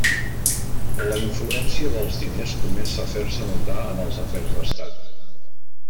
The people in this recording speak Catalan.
La influència dels diners comença a fer-se notar en els afers d'Estat.